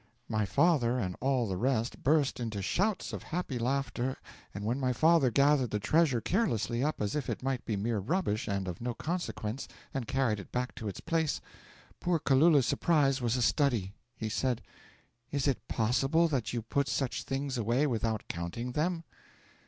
'My father and all the rest burst into shouts of happy laughter, and when my father gathered the treasure carelessly up as if it might be mere rubbish and of no consequence, and carried it back to its place, poor Kulala's surprise was a study. He said: '"Is it possible that you put such things away without counting them?"